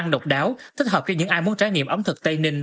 món ăn độc đáo thích hợp cho những ai muốn trải nghiệm ống thực tây ninh